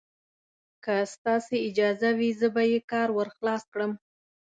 که ستاسې اجازه وي، زه به یې کار ور خلاص کړم.